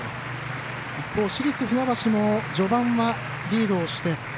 一方、市立船橋も序盤はリードをして。